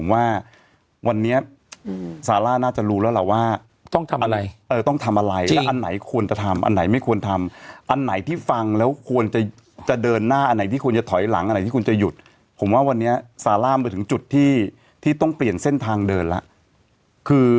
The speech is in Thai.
วันนี้สาหร่ามันถึงจุดที่ที่ต้องเปลี่ยนเส้นทางเดินละคือ